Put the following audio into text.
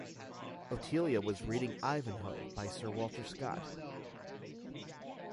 Otelia was reading "Ivanhoe" by Sir Walter Scott.